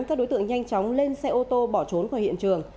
các đối tượng nhanh chóng lên xe ô tô bỏ trốn khỏi hiện trường